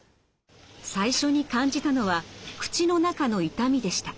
最初に感じたのは口の中の痛みでした。